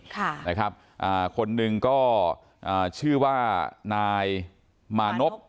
ค่ะนะครับอ่าคนหนึ่งก็อ่าชื่อว่านายมานพ